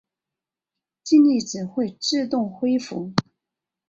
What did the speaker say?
精力值会自动恢复。